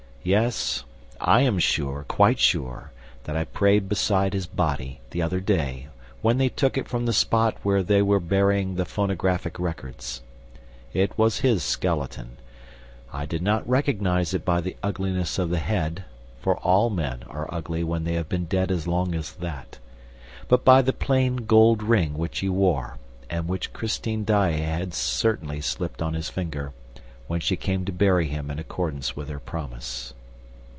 Yes, I am sure, quite sure that I prayed beside his body, the other day, when they took it from the spot where they were burying the phonographic records. It was his skeleton. I did not recognize it by the ugliness of the head, for all men are ugly when they have been dead as long as that, but by the plain gold ring which he wore and which Christine Daae had certainly slipped on his finger, when she came to bury him in accordance with her promise.